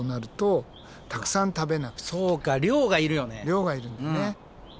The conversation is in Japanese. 量がいるんだよね。